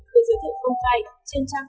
được giới thiệu công khai trên trang